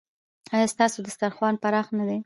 ایا ستاسو دسترخوان پراخ نه دی؟